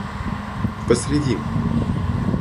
посреди